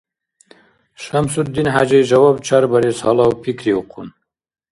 ШамсудинхӀяжи жаваб чарбарес гьалав пикриухъун